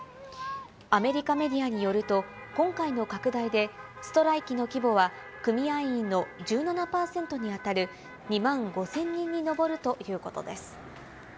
アメリカメディアによると、今回の拡大で、ストライキの規模は組合員の１７パーセントに当たる２万５０００人に上るということです。